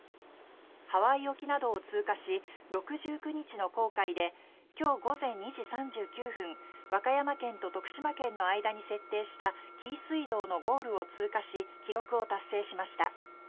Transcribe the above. ハワイ沖などを通過し６９日の航海で今日、午前２時３９分和歌山県と徳島県の間に設定した紀伊水道のゴールを通過し記録を達成しました。